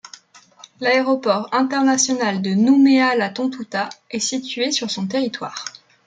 L'aéroport international de Nouméa - La Tontouta est situé sur son territoire.